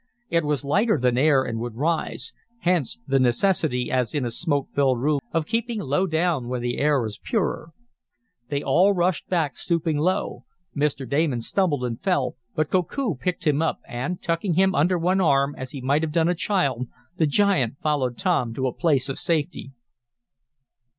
It was lighter than air, and would rise. Hence the necessity, as in a smoke filled room, of keeping low down where the air is purer. They all rushed back, stooping low. Mr. Damon stumbled and fell, but Koku picked him up and, tucking him under one arm, as he might have done a child, the giant followed Tom to a place of safety.